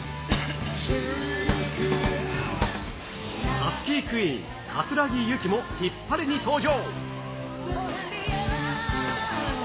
ハスキークイーン、葛城ユキもヒッパレに登場。